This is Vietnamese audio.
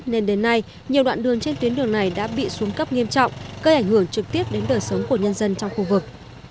nên đến nay nhiều đoạn đường trên tuyến đường này đã bị xuống cấp nghiêm trọng gây ảnh hưởng trực tiếp đến đời sống của nhân dân trong khu vực